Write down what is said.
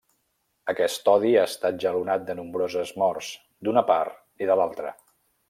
Aquest odi ha estat jalonat de nombroses morts, d’una part i de l'altra.